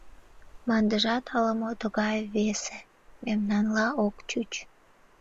Мландыжат ала-мо тугай весе, мемнанла ок чуч.